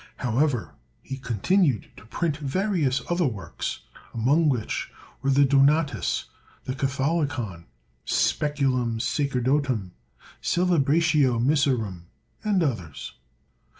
However, he continued to print various other works, among which were the "Donatus," the "Catholicon," "Speculum Sacerdotum," "Celebratio Missarum," and others.